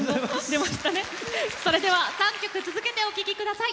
それでは３曲続けてお聴きください。